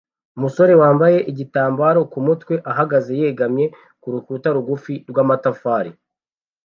Umusore wambaye igitambaro ku mutwe ahagaze yegamiye ku rukuta rugufi rw'amatafari